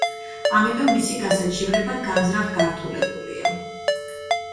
ამიტომ მისი გასაჩივრება განზრახ გართულებულია.